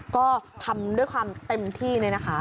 ก็ทำด้วยความเต็มที่เลยนะคะ